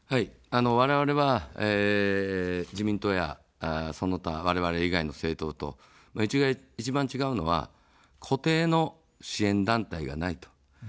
われわれは、自民党やその他われわれ以外の政党と一番違うのは固定の支援団体がないと。